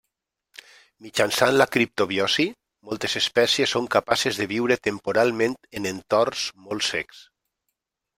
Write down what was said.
Mitjançant la criptobiosi moltes espècies són capaces de viure temporalment en entorns molt secs.